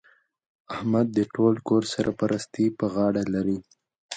احمد د ټول کور سرپرستي پر غاړه لري.